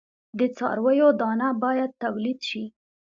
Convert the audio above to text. د څارویو دانه باید تولید شي.